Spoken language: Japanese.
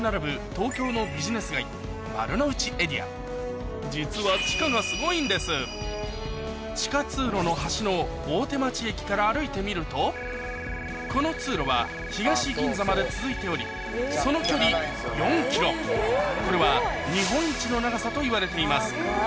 東京の実は地下通路の端の大手町駅から歩いてみるとこの通路は東銀座まで続いておりその距離４ｋｍこれは日本一の長さといわれています